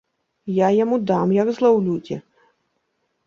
Я яму дам, як злаўлю дзе.